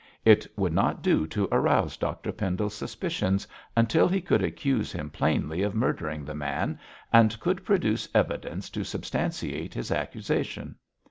It would not do to arouse Dr Pendle's suspicions until he could accuse him plainly of murdering the man, and could produce evidence to substantiate his accusation.